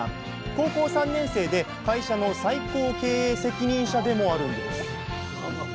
高校３年生で会社の最高経営責任者でもあるんです